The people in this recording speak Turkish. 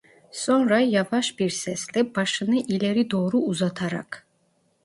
Sonra yavaş bir sesle, başını ileri doğru uzatarak: